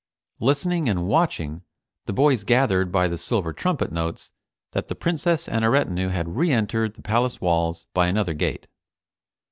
Listening and watching, the boys gathered by the silver trumpet notes that the Princess and her retinue had re entered the palace walls by another gate.